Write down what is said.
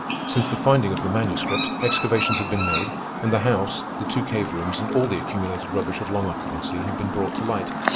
Since the finding of the Manuscript excavations have been made, and the house, the two cave rooms, and all the accumulated rubbish of long occupancy have been brought to light.